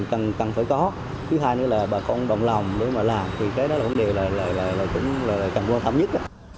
cần phải có thứ hai nữa là bà con đồng lòng nếu mà làm thì cái đó là vấn đề là cũng cần vô thẩm nhất